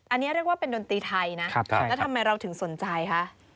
อันนี้เรียกว่าเป็นดนตรีไทยนะแล้วทำไมเราถึงสนใจคะ